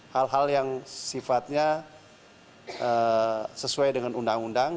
hal hal yang sifatnya sesuai dengan undang undang